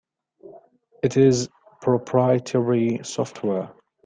It is proprietary software.